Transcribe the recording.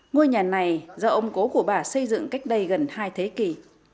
ngôi nhà này do ông cố của bà xây dựng cách đây gần hai thế kỷ